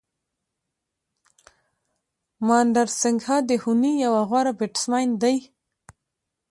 مهندر سنگھ دهوني یو غوره بېټسمېن دئ.